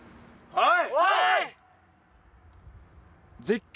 はい！